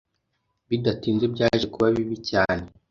bidatinze byaje kuba bibi cyane.